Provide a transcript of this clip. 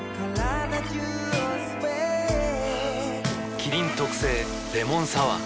麒麟特製レモンサワー